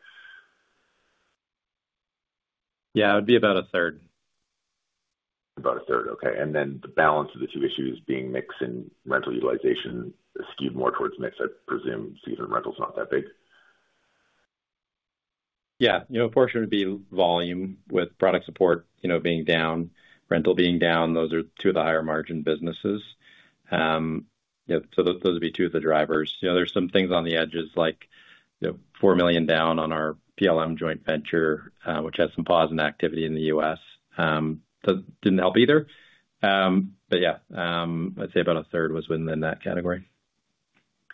Yeah. It would be about a third.
About a third. Okay. Then the balance of the two issues being mix and rental utilization skewed more towards mix. I presume seasonal rental is not that big.
Yeah. A portion would be volume with product support being down, rental being down. Those are two of the higher margin businesses. So those would be two of the drivers. There's some things on the edges like $4 million down on our PLM joint venture, which has some pause in activity in the U.S. That didn't help either. But yeah, I'd say about a third was within that category.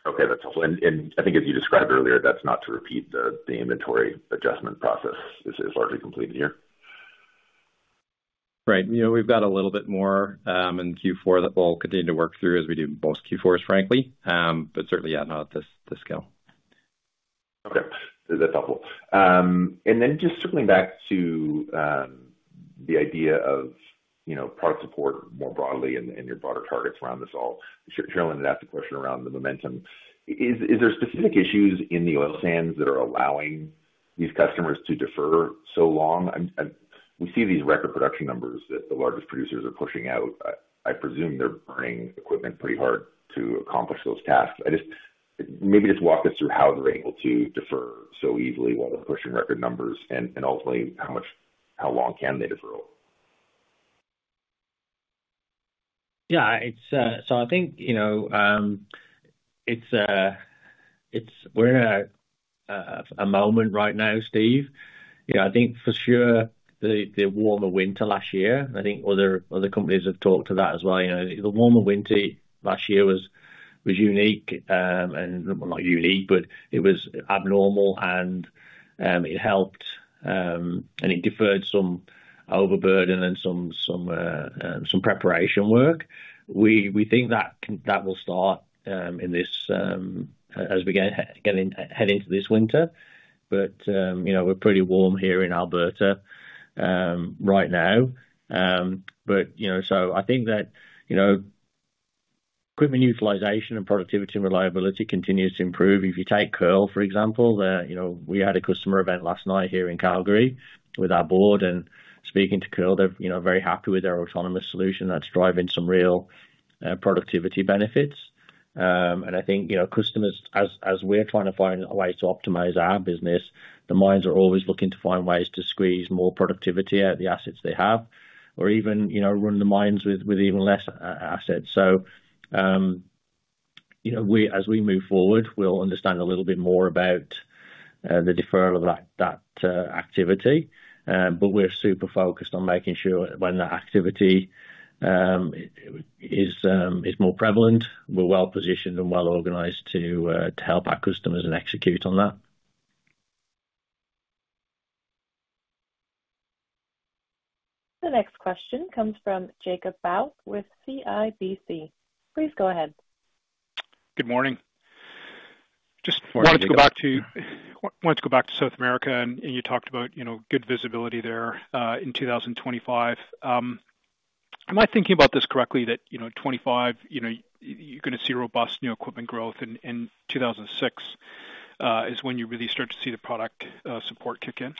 Okay. That's helpful. And I think, as you described earlier, that's not to repeat the inventory adjustment process is largely completed here.
Right. We've got a little bit more in Q4 that we'll continue to work through as we do both Q4s, frankly, but certainly not at this scale.
Okay. That's helpful. And then just circling back to the idea of product support more broadly and your broader targets around this all, Cherilyn, to ask the question around the momentum. Is there specific issues in the oil sands that are allowing these customers to defer so long? We see these record production numbers that the largest producers are pushing out. I presume they're burning equipment pretty hard to accomplish those tasks. Maybe just walk us through how they're able to defer so easily while they're pushing record numbers, and ultimately, how long can they defer?
Yeah. So I think we're in a moment right now, Steve. I think for sure the warmer winter last year. I think other companies have talked to that as well. The warmer winter last year was unique. Well, not unique, but it was abnormal, and it helped, and it deferred some overburden and some preparation work. We think that will start as we head into this winter, but we're pretty warm here in Alberta right now. But so I think that equipment utilization and productivity and reliability continues to improve. If you take Kearl, for example, we had a customer event last night here in Calgary with our board, and speaking to Kearl, they're very happy with their autonomous solution that's driving some real productivity benefits. And I think customers, as we're trying to find a way to optimize our business, the mines are always looking to find ways to squeeze more productivity out of the assets they have or even run the mines with even less assets. So as we move forward, we'll understand a little bit more about the deferral of that activity. But we're super focused on making sure when that activity is more prevalent, we're well positioned and well organized to help our customers and execute on that.
The next question comes from Jacob Bout with CIBC. Please go ahead.
Good morning. Just wanted to go back to South America, and you talked about good visibility there in 2025. Am I thinking about this correctly, that 2025 you're going to see robust new equipment growth, and 2006 is when you really start to see the product support kick in?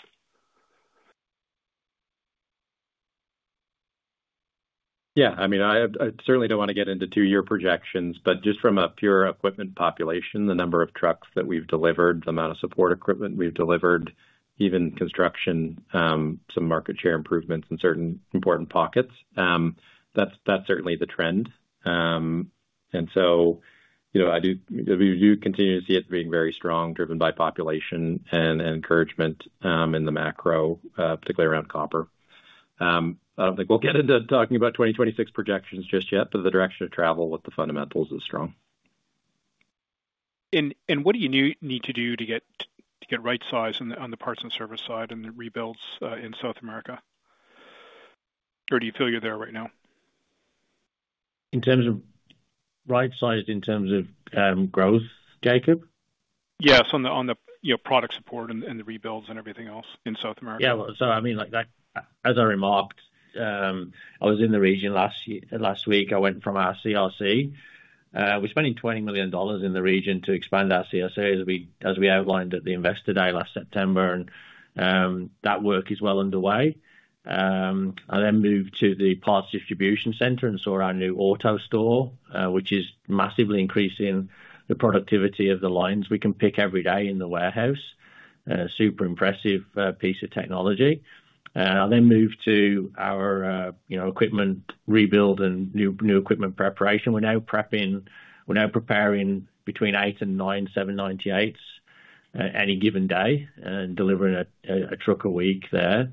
Yeah. I mean, I certainly don't want to get into two-year projections, but just from a pure equipment population, the number of trucks that we've delivered, the amount of support equipment we've delivered, even construction, some market share improvements in certain important pockets, that's certainly the trend. We do continue to see it being very strong, driven by population and encouragement in the macro, particularly around copper. I don't think we'll get into talking about 2026 projections just yet, but the direction of travel with the fundamentals is strong.
What do you need to do to get right size on the parts and service side and the rebuilds in South America? Or do you feel you're there right now?
In terms of right size, in terms of growth, Jacob?
Yeah. So on the product support and the rebuilds and everything else in South America.
Yeah. So I mean, as I remarked, I was in the region last week. I went from our CRC. We're spending $20 million in the region to expand our CSA as we outlined at the Investor Day last September, and that work is well underway. I then moved to the parts distribution center and saw our new AutoStore, which is massively increasing the productivity of the lines we can pick every day in the warehouse. Super impressive piece of technology. I then moved to our equipment rebuild and new equipment preparation. We're now preparing between eight and nine 798s any given day and delivering a truck a week there,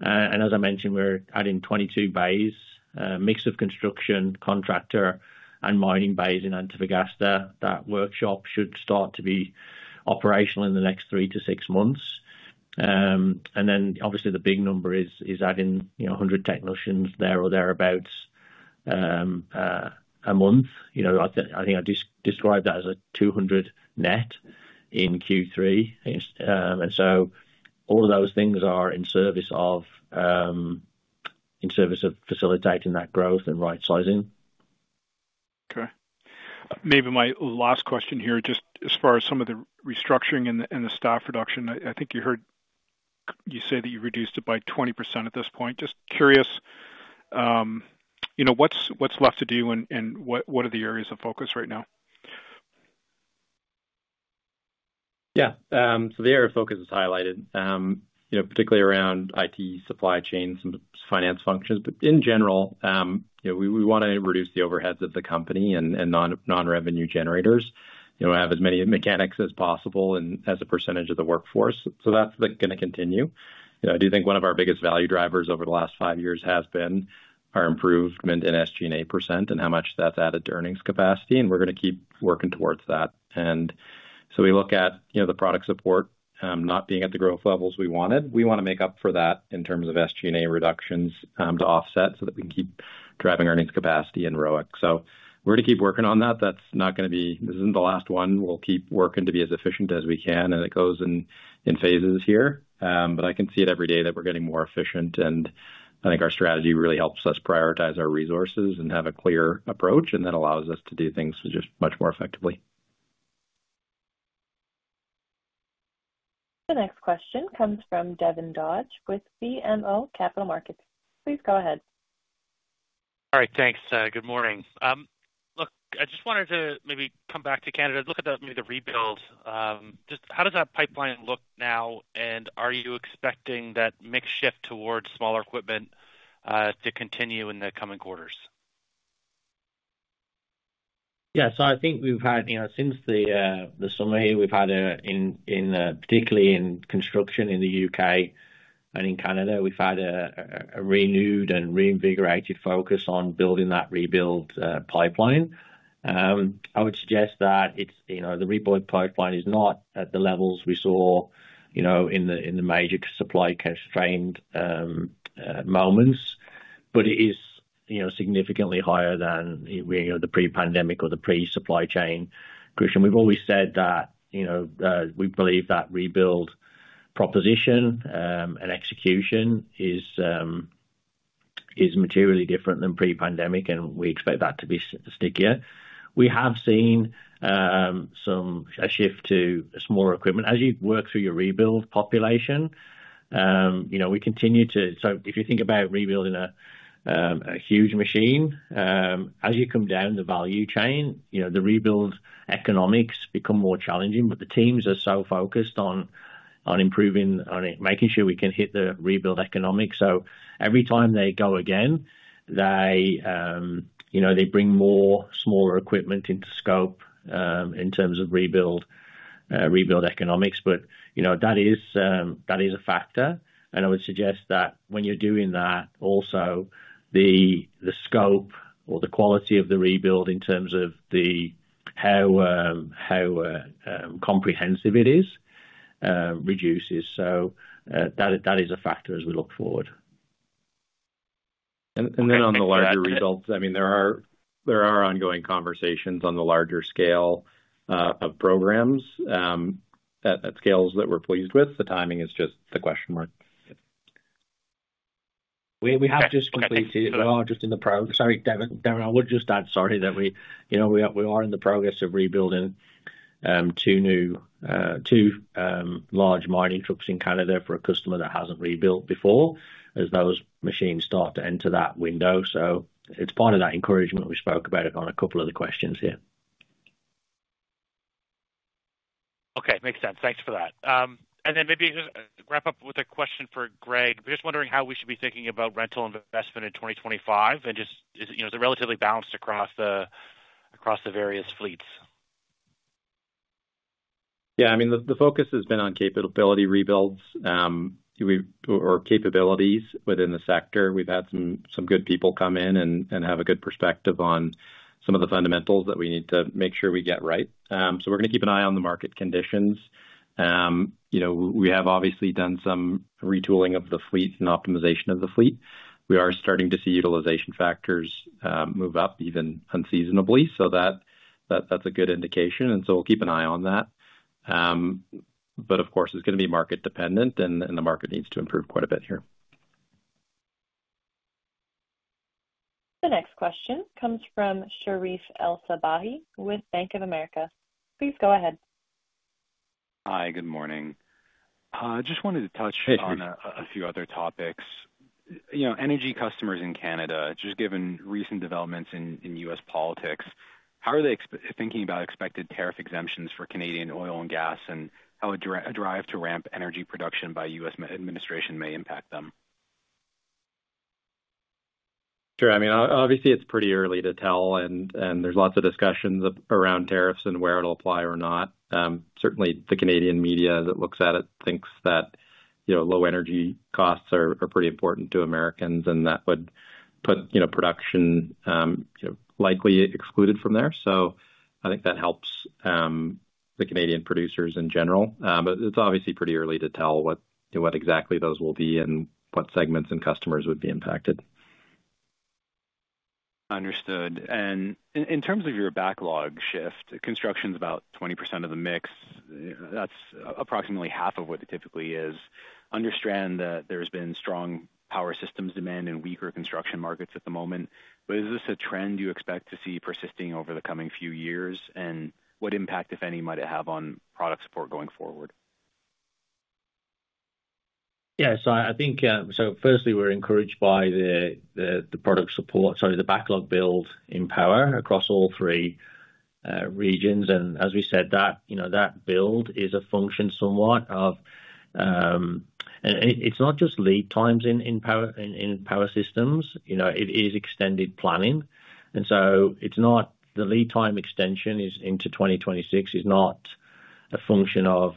and as I mentioned, we're adding 22 bays, a mix of construction, contractor, and mining bays in Antofagasta. That workshop should start to be operational in the next three to six months, and then, obviously, the big number is adding 100 technicians there or thereabouts a month. I think I described that as a 200 net in Q3, and so all of those things are in service of facilitating that growth and right sizing.
Okay. Maybe my last question here, just as far as some of the restructuring and the staff reduction. I think you heard you say that you reduced it by 20% at this point. Just curious, what's left to do, and what are the areas of focus right now?
Yeah. So the area of focus is highlighted, particularly around IT, supply chain, some finance functions. But in general, we want to reduce the overheads of the company and non-revenue generators, have as many mechanics as possible and as a percentage of the workforce. So that's going to continue. I do think one of our biggest value drivers over the last five years has been our improvement in SG&A percent and how much that's added to earnings capacity. And we're going to keep working towards that. And so we look at the product support not being at the growth levels we wanted. We want to make up for that in terms of SG&A reductions to offset so that we can keep driving earnings capacity and ROIC. So we're going to keep working on that. That's not going to be. This isn't the last one. We'll keep working to be as efficient as we can, and it goes in phases here. But I can see it every day that we're getting more efficient, and I think our strategy really helps us prioritize our resources and have a clear approach and that allows us to do things just much more effectively.
The next question comes from Devin Dodge with BMO Capital Markets. Please go ahead.
All right. Thanks. Good morning. Look, I just wanted to maybe come back to Canada. Look at maybe the rebuild. Just how does that pipeline look now, and are you expecting that mix shift towards smaller equipment to continue in the coming quarters?
Yeah. So I think we've had since the summer here, we've had, particularly in construction in the U.K. and in Canada, we've had a renewed and reinvigorated focus on building that rebuild pipeline. I would suggest that the rebuild pipeline is not at the levels we saw in the major supply-constrained moments, but it is significantly higher than the pre-pandemic or the pre-supply chain cushion. We've always said that we believe that rebuild proposition and execution is materially different than pre-pandemic, and we expect that to be stickier. We have seen a shift to smaller equipment. As you work through your rebuild population, we continue to so if you think about rebuilding a huge machine, as you come down the value chain, the rebuild economics become more challenging, but the teams are so focused on improving, on making sure we can hit the rebuild economic, so every time they go again, they bring more smaller equipment into scope in terms of rebuild economics. But that is a factor, and I would suggest that when you're doing that, also the scope or the quality of the rebuild in terms of how comprehensive it is reduces, so that is a factor as we look forward.
And then on the larger results, I mean, there are ongoing conversations on the larger scale of programs at scales that we're pleased with. The timing is just the question mark.
We are just in the sorry, Devin. Devin, I would just add, sorry, that we are in the progress of rebuilding two large mining trucks in Canada for a customer that hasn't rebuilt before, as those machines start to enter that window. So it's part of that encouragement we spoke about on a couple of the questions here.
Okay. Makes sense. Thanks for that. And then maybe just wrap up with a question for Greg. We're just wondering how we should be thinking about rental investment in 2025, and is it relatively balanced across the various fleets?
Yeah. I mean, the focus has been on capability rebuilds or capabilities within the sector. We've had some good people come in and have a good perspective on some of the fundamentals that we need to make sure we get right. So we're going to keep an eye on the market conditions. We have obviously done some retooling of the fleet and optimization of the fleet. We are starting to see utilization factors move up even unseasonably. So that's a good indication, and so we'll keep an eye on that, but of course, it's going to be market-dependent, and the market needs to improve quite a bit here.
The next question comes from Sherif El-Sabbahy with Bank of America. Please go ahead.
Hi. Good morning. I just wanted to touch on a few other topics. Energy customers in Canada, just given recent developments in U.S. politics, how are they thinking about expected tariff exemptions for Canadian oil and gas and how a drive to ramp energy production by U.S. administration may impact them?
Sure. I mean, obviously, it's pretty early to tell, and there's lots of discussions around tariffs and where it'll apply or not. Certainly, the Canadian media that looks at it thinks that low energy costs are pretty important to Americans, and that would put production likely excluded from there. So I think that helps the Canadian producers in general. But it's obviously pretty early to tell what exactly those will be and what segments and customers would be impacted.
Understood. And in terms of your backlog shift, construction's about 20% of the mix. That's approximately half of what it typically is. Understand that there's been strong power systems demand and weaker construction markets at the moment. But is this a trend you expect to see persisting over the coming few years, and what impact, if any, might it have on product support going forward?
Yeah. So I think, so firstly, we're encouraged by the product support, sorry, the backlog build in power across all three regions. As we said, that build is a function somewhat of, and it's not just lead times in power systems. It is extended planning. The lead time extension into 2026 is not a function of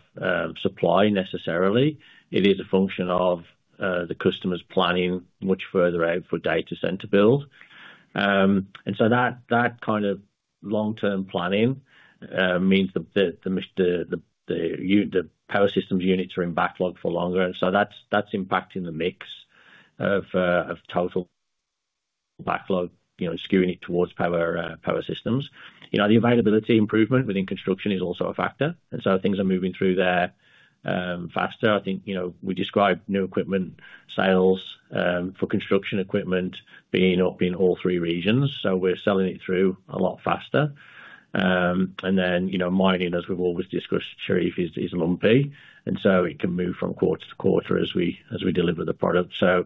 supply necessarily. It is a function of the customer's planning much further out for data center build. That kind of long-term planning means that the power systems units are in backlog for longer. That's impacting the mix of total backlog, skewing it towards power systems. The availability improvement within construction is also a factor. Things are moving through there faster. We described new equipment sales for construction equipment being up in all three regions. We're selling it through a lot faster. Mining, as we've always discussed, Sherif, is lumpy. And so it can move from quarter to quarter as we deliver the product. So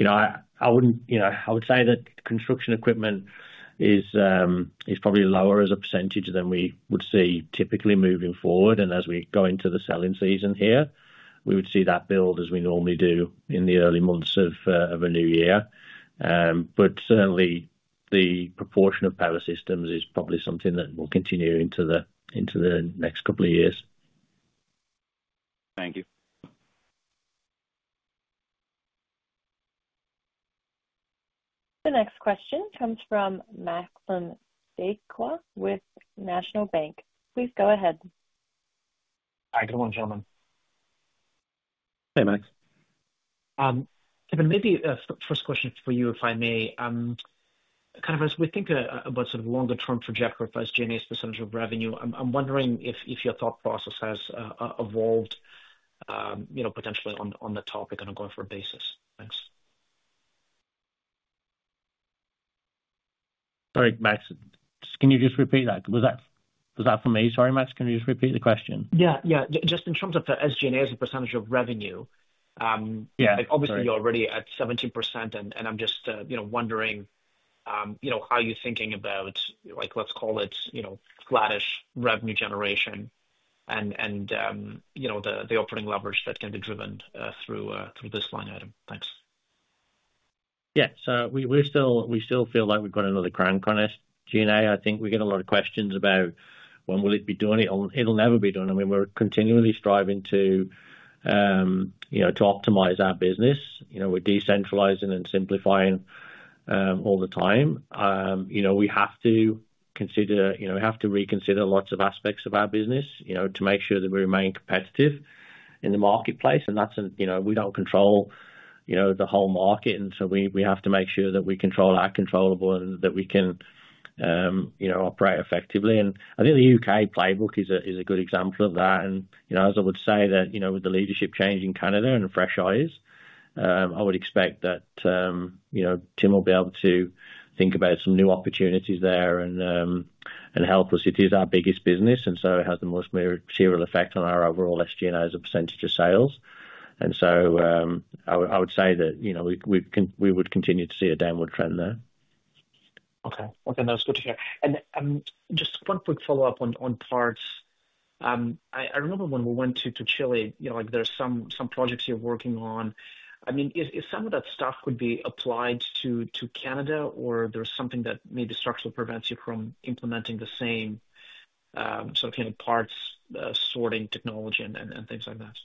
I would say that construction equipment is probably lower as a percentage than we would see typically moving forward. And as we go into the selling season here, we would see that build as we normally do in the early months of a new year. But certainly, the proportion of power systems is probably something that will continue into the next couple of years.
Thank you.
The next question comes from Maxim Sytchev with National Bank. Please go ahead.
Hi. Good morning, gentlemen.
Hey, Max.
Kevin, maybe a first question for you, if I may. Kind of as we think about sort of longer-term trajectory for SG&A's percentage of revenue, I'm wondering if your thought process has evolved potentially on the topic on a going-forward basis. Thanks.
Sorry, Max. Can you just repeat that? Was that for me? Sorry, Max. Can you just repeat the question?
Yeah. Yeah. Just in terms of SG&A as a percentage of revenue, obviously, you're already at 17%, and I'm just wondering how you're thinking about, let's call it, flatish revenue generation and the operating leverage that can be driven through this line item. Thanks.
Yeah. So we still feel like we've got another crank on SG&A. I think we get a lot of questions about, "When will it be done?" It'll never be done. I mean, we're continually striving to optimize our business. We're decentralizing and simplifying all the time. We have to reconsider lots of aspects of our business to make sure that we remain competitive in the marketplace, and we don't control the whole market. We have to make sure that we control our controllable and that we can operate effectively. I would say that with the leadership change in Canada and fresh eyes, I would expect that Tim will be able to think about some new opportunities there and help us. It is our biggest business, and so it has the most material effect on our overall SG&A as a percentage of sales. I would say that we would continue to see a downward trend there.
Okay. Okay. That's good to hear. Just one quick follow-up on parts. I remember when we went to Chile, there are some projects you're working on. I mean, some of that stuff could be applied to Canada, or there's something that maybe structurally prevents you from implementing the same sort of parts, sorting technology, and things like that.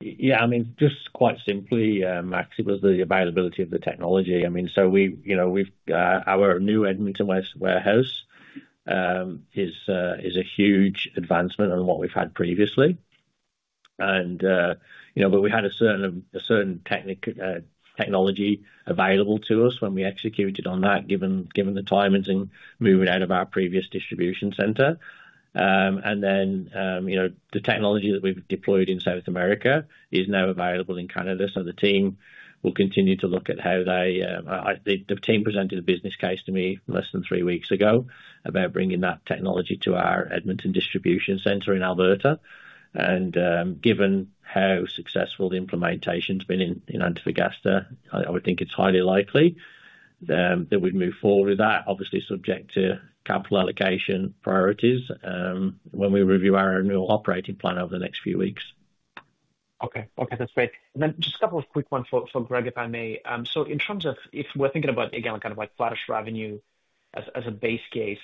Yeah. I mean, just quite simply, Max, it was the availability of the technology. I mean, so our new Edmonton warehouse is a huge advancement on what we've had previously. But we had a certain technology available to us when we executed on that, given the times and moving out of our previous distribution center. And then the technology that we've deployed in South America is now available in Canada. So the team will continue to look at how they, the team, presented a business case to me less than three weeks ago about bringing that technology to our Edmonton distribution center in Alberta. Given how successful the implementation has been in Antofagasta, I would think it's highly likely that we'd move forward with that, obviously subject to capital allocation priorities when we review our new operating plan over the next few weeks.
Okay. Okay. That's great. Then just a couple of quick ones from Greg, if I may. In terms of if we're thinking about, again, kind of flatish revenue as a base case,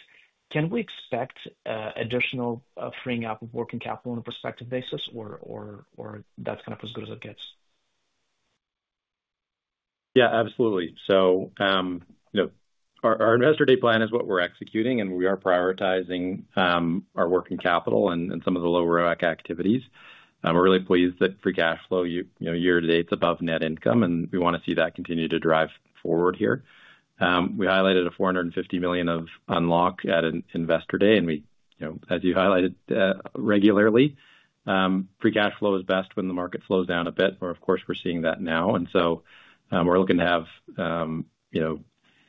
can we expect additional freeing up of working capital on a prospective basis, or that's kind of as good as it gets?
Yeah. Absolutely. Our Investor Day plan is what we're executing, and we are prioritizing our working capital and some of the lower ROIC activities. We're really pleased that free cash flow year-to-date is above net income, and we want to see that continue to drive forward here. We highlighted $450 million of unlock at Investor Day, and as you highlighted regularly, free cash flow is best when the market slows down a bit, but of course, we're seeing that now. And so we're looking to have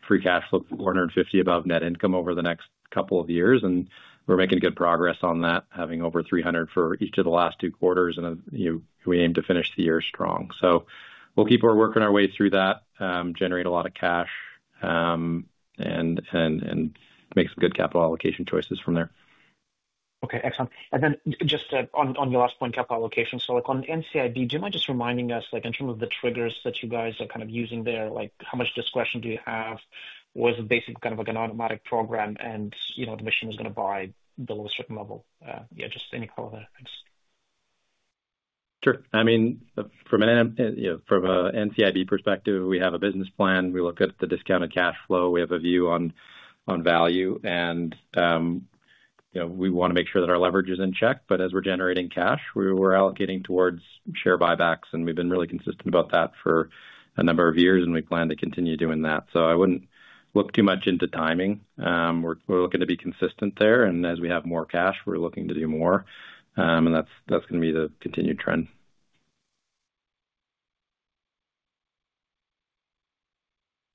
free cash flow of $450 million above net income over the next couple of years, and we're making good progress on that, having over $ 300 million for each of the last two quarters, and we aim to finish the year strong. So we'll keep working our way through that, generate a lot of cash, and make some good capital allocation choices from there.
Okay. Excellent. And then just on your last point, capital allocation. So on NCIB, do you mind just reminding us in terms of the triggers that you guys are kind of using there, how much discretion do you have with basic kind of an automatic program, and the machine is going to buy the lowest certain level? Yeah. Just any color there. Thanks.
Sure. I mean, from an NCIB perspective, we have a business plan. We look at the discounted cash flow. We have a view on value, and we want to make sure that our leverage is in check. But as we're generating cash, we're allocating towards share buybacks, and we've been really consistent about that for a number of years, and we plan to continue doing that. So I wouldn't look too much into timing. We're looking to be consistent there, and as we have more cash, we're looking to do more, and that's going to be the continued trend.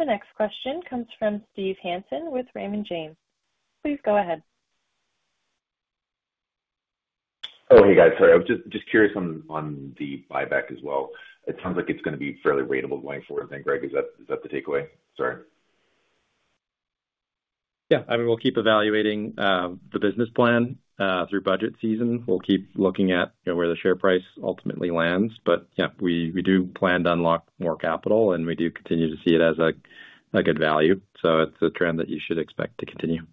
The next question comes from Steve Hansen with Raymond James. Please go ahead.
Oh, hey, guys. Sorry. I was just curious on the buyback as well. It sounds like it's going to be fairly ratable going forward. And Greg, is that the takeaway? Sorry.
Yeah. I mean, we'll keep evaluating the business plan through budget season. We'll keep looking at where the share price ultimately lands. But yeah, we do plan to unlock more capital, and we do continue to see it as a good value. So it's a trend that you should expect to continue.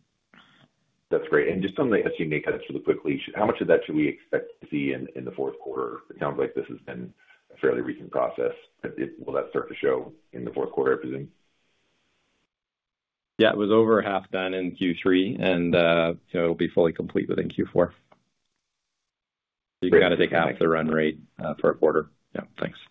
That's great. And just on the SG&A cuts really quickly, how much of that should we expect to see in the fourth quarter? It sounds like this has been a fairly recent process. Will that start to show in the fourth quarter, I presume?
Yeah. It was over half done in Q3, and it'll be fully complete within Q4. You've got to take half the run rate for a quarter.
Yeah. Thanks.